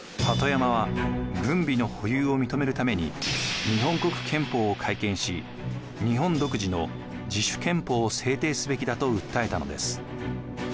鳩山は軍備の保有を認めるために日本国憲法を改憲し日本独自の自主憲法を制定すべきだと訴えたのです。